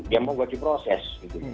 ya mungkin di proses